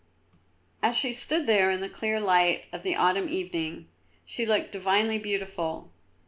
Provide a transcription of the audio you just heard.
As she stood there in the clear light of the autumn evening, she looked divinely beautiful.